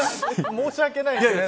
申し訳ないですね。